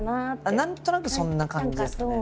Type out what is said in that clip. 何となくそんな感じですね。